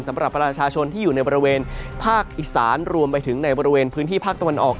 สำหรับประชาชนที่อยู่ในบริเวณภาคอีสานรวมไปถึงในบริเวณพื้นที่ภาคตะวันออก